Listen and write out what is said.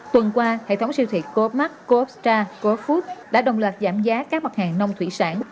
tuần qua hệ thống siêu thị coopmark coopstar coopfood đã đồng loạt giảm giá các mặt hàng nông thủy sản